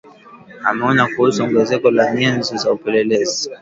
ameonya kuhusu ongezeko la nyenzo za upelelezi